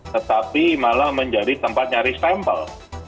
tetapi malah menjadi tempat nyaris tempel